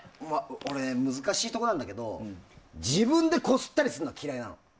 難しいところなんだけど自分でこすったりするのは嫌いなの。